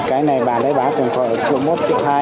cái này bà ấy bán từng khoảng một triệu hai